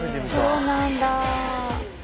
そうなんだ。